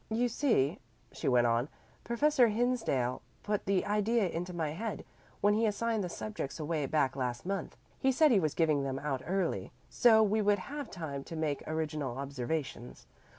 "You see," she went on, "Professor Hinsdale put the idea into my head when he assigned the subjects away back last month. He said he was giving them out early so we would have time to make original observations.